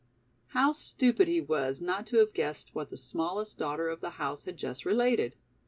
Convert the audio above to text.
How stupid he was not to have guessed what the smallest daughter of the house had just related!